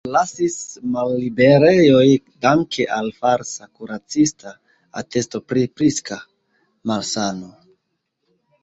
Li forlasis malliberejon danke al falsa kuracista atesto pri psika malsano.